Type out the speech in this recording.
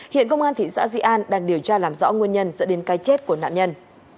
hiện công an thị xã di an đang điều tra làm rõ nguyên nhân dẫn đến cái chết của nạn nhân